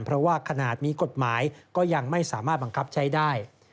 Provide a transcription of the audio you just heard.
เพราะว่าขนาดมีกฎหมายก็ยังไม่สามารถบังคับใช้ได้